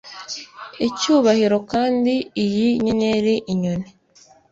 icyubahiro kandi iyi nyenyeri, inyoni